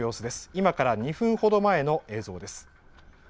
今から２分ほど前の映像です。